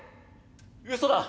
「うそだ